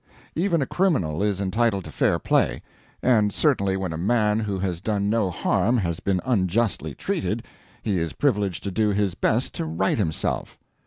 Even a criminal is entitled to fair play; and certainly when a man who has done no harm has been unjustly treated, he is privileged to do his best to right himself.